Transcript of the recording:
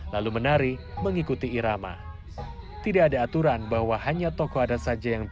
sampai jumpa di video selanjutnya